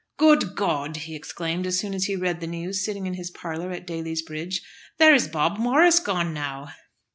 "Good God!" he exclaimed, as soon as he read the news, sitting in his parlour at Daly's Bridge; "there is Bob Morris gone now."